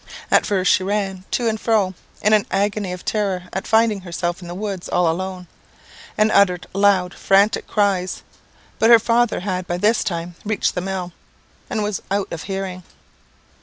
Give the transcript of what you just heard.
At first she ran to and fro, in an agony of terror at finding herself in the woods all alone, and uttered loud and frantic cries; but her father had by this time reached the mill, and was out of hearing.